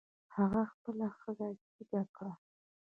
هغه خپله ښځه جګه کړه.